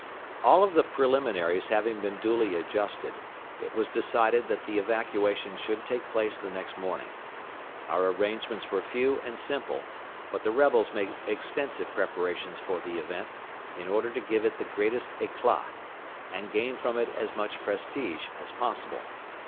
All of the preliminaries having been duly adjusted, it was decided that the evacuation should take place the next morning. Our arrangements were few and simple, but the rebels made extensive preparations for the event, in order to give it the greatest éclat, and gain from it as much prestige as possible.